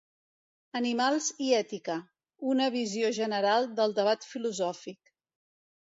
"Animals i ètica: una visió general del debat filosòfic".